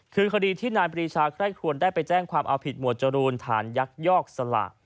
คือคดีที่นายปรีชาไคร่ครวนได้ไปแจ้งความเอาผิดหมวดจรูนฐานยักยอกสละ